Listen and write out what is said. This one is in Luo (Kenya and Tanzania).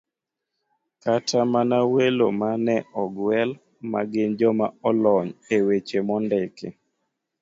Kata mana welo ma ne ogwel, ma gin joma olony e weche mondiki